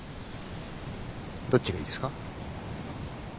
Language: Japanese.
どっちがいいですか？